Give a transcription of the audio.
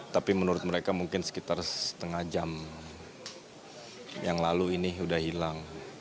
tapi menurut mereka mungkin sekitar setengah jam yang lalu ini sudah hilang